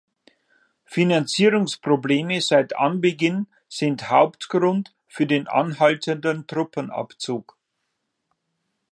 Finanzierungsprobleme seit Anbeginn sind Hauptgrund für den anhaltenden Truppenabzug.